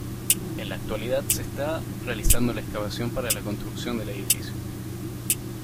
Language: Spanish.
En la actualidad se está realizando la excavación para la construcción del edificio.